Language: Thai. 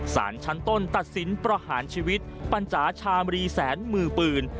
สารชั้นต้นตัดสินประหารชีวิตปัญจาชาชามรีแสนมือปืน